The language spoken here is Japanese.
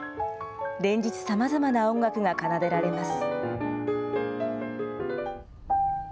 連日、さまざまな音楽が奏でられます。